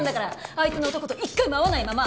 相手の男と一回も会わないまま！